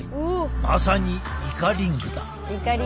まさにイカリングだ。